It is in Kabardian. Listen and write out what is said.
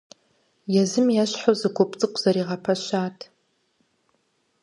Езым ещхьу зы гуп цӀыкӀу зэригъэпэщат.